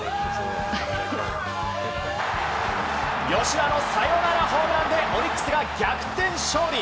吉田のサヨナラホームランでオリックスが逆転勝利。